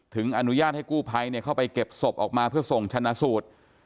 อนุญาตให้กู้ภัยเข้าไปเก็บศพออกมาเพื่อส่งชนะสูตร